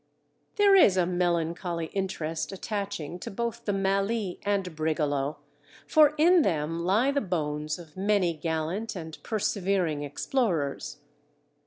_ There is a melancholy interest attaching to both the Mallee and Brigalow, for in them lie the bones of many gallant and persevering explorers.